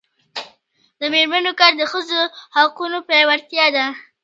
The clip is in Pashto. د میرمنو کار د ښځو حقونو پیاوړتیا ده.